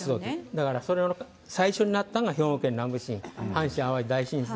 だからその最初になったのが兵庫県南部地震、阪神・淡路大震災。